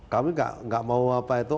kami nggak mau apa itu